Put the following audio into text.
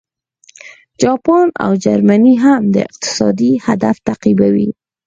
جاپان او جرمني هم دا اقتصادي هدف تعقیبوي